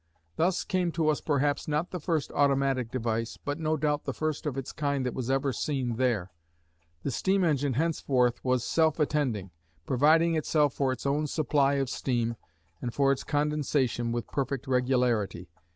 Thus came to us perhaps not the first automatic device, but no doubt the first of its kind that was ever seen there. The steam engine henceforth was self attending, providing itself for its own supply of steam and for its condensation with perfect regularity.